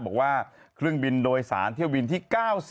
บอกว่าเครื่องบินโดยสารเที่ยวบินที่๙๐